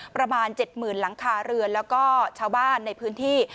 ประมาณ๗๐๐๐หลังคาเรือนแล้วก็ชาวบ้านในพื้นที่